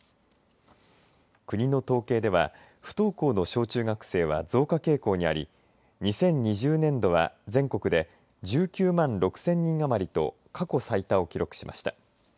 国の統計では不登校の小中学生は増加傾向にあり２０２０年度は全国で１９万６０００人余りと過去最多を記録しました。